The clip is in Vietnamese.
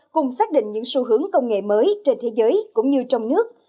cùng xác định những xu hướng công nghệ mới trên thế giới cũng như trong nước